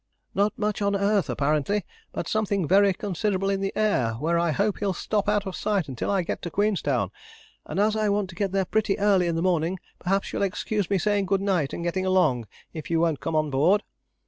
"Not much on earth apparently, but something very considerable in the air, where I hope he'll stop out of sight until I get to Queenstown; and as I want to get there pretty early in the morning, perhaps you'll excuse me saying good night and getting along, if you won't come on board."